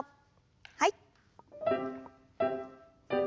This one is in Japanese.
はい。